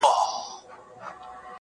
هر چا ته خپل وطن کشمير دئ.